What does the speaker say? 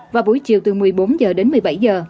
và buổi chiều từ một mươi bốn h đến một mươi bảy h